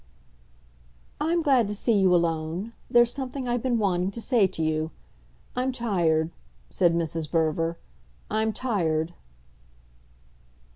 "I'm glad to see you alone there's something I've been wanting to say to you. I'm tired," said Mrs. Verver, "I'm tired